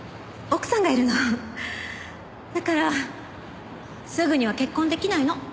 だからすぐには結婚出来ないの。